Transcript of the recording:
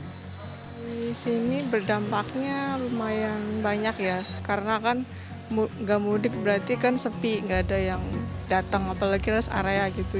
di sini berdampaknya lumayan banyak ya karena kan gak mudik berarti kan sepi nggak ada yang datang apalagi rest area gitu